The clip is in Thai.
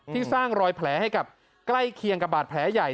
สร้างรอยแผลให้กับใกล้เคียงกับบาดแผลใหญ่